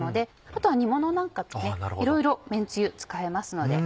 あとは煮ものなんかとねいろいろめんつゆ使えますので。